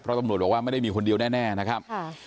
ตำรวจบอกว่าไม่ได้มีคนเดียวแน่นะครับ